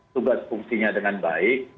tugas fungsinya dengan baik